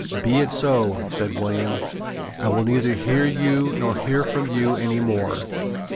"Be it so," said William. "I will neither hear you nor hear from you any more."